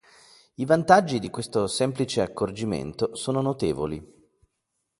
I vantaggi di questo semplice accorgimento sono notevoli.